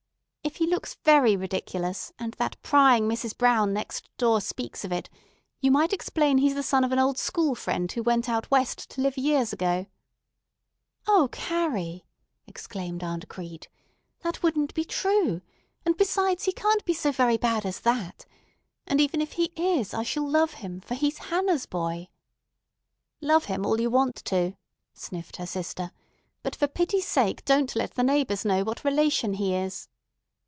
If he looks very ridiculous, and that prying Mrs. Brown next door speaks of it, you might explain he's the son of an old school friend who went out West to live years ago——" "O Carrie!" exclaimed Aunt Crete, "that wouldn't be true; and, besides, he can't be so very bad as that. And even if he is, I shall love him—for he's Hannah's boy." "Love him all you want to," sniffed her sister, "but for pity's sake don't let the neighbors know what relation he is."